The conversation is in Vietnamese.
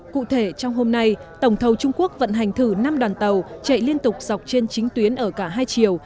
cụ thể trong hôm nay tổng thầu trung quốc vận hành thử năm đoàn tàu chạy liên tục dọc trên chính tuyến ở cả hai chiều